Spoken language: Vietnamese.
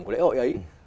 của lễ hội ấy